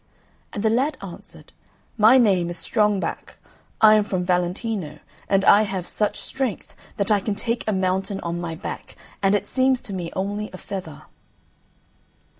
And the lad answered, "My name is Strong back; I am from Valentino; and I have such strength that I can take a mountain on my back, and it seems to me only a feather."